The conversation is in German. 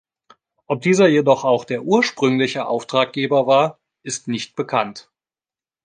Ob dieser jedoch auch der ursprüngliche Auftraggeber war, ist nicht bekannt.